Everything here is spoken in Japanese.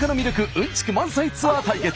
うんちく満載ツアー対決。